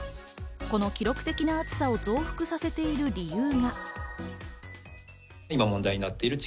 この記録的な暑さを増幅させている理由が。